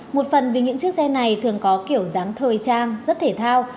một phần vì những chiếc xe này thường có kiểu dáng thời trang rất thể thao